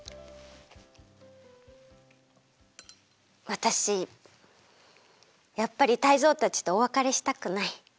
わたしやっぱりタイゾウたちとおわかれしたくない。